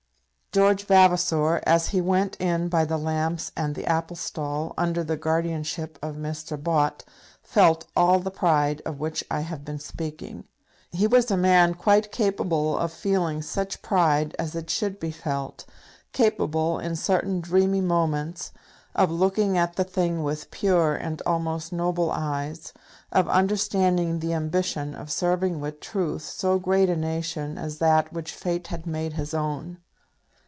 George Vavasor, as he went in by the lamps and the apple stall, under the guardianship of Mr. Bott, felt all the pride of which I have been speaking. He was a man quite capable of feeling such pride as it should be felt, capable, in certain dreamy moments, of looking at the thing with pure and almost noble eyes; of understanding the ambition of serving with truth so great a nation as that which fate had made his own.